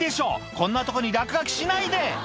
こんなとこに落書きしないで！